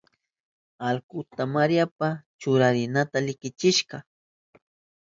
Allkuka Mariapa churarinanta likichishka.